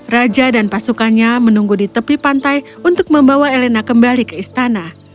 raja dan pasukannya menunggu di tepi pantai untuk membawa elena kembali ke istana